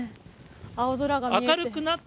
青空が見えて。